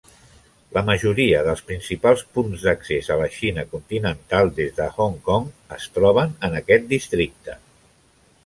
La majoria dels principals punts d'accés a la Xina continental des de Hong Kong es troben en aquest districte.